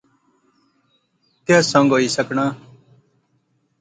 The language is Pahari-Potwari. کہہ سنگ ہوئی سکنا